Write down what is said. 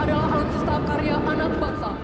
adalah alutsista karya anak bangsa